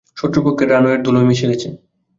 শত্রুপক্ষের রানওয়ে ধুলোয় মিশে গেছে।